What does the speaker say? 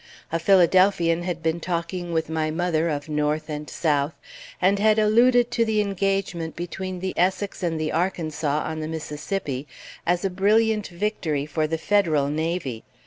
A Philadelphian had been talking with my mother of North and South, and had alluded to the engagement between the Essex and the Arkansas, on the Mississippi, as a brilliant victory for the Federal navy.